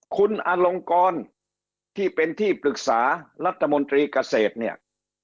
คุณอลงกรที่เป็นที่ปรึกษารัฐมนตรีเกษตรเนี่ย